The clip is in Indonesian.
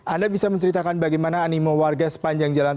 anda bisa menceritakan bagaimana animo warga sepanjang jalan